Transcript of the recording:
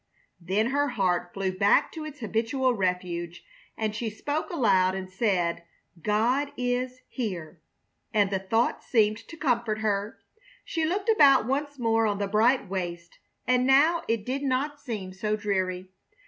Then her heart flew back to its habitual refuge, and she spoke aloud and said, "God is here!" and the thought seemed to comfort her. She looked about once more on the bright waste, and now it did not seem so dreary.